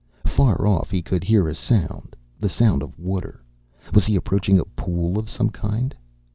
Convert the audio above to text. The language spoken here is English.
Far off, he could hear a sound, the sound of water. Was he approaching a pool of some kind?